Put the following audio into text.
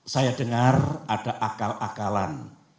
saya dengar ada akal akalan